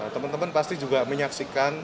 teman teman pasti juga menyaksikan